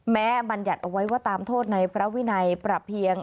บรรยัติเอาไว้ว่าตามโทษในพระวินัยปรับเพียง